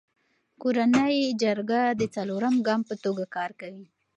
کورنی جرګه د څلورم ګام په توګه کار کوي.